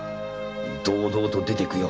堂々と出て行くよ。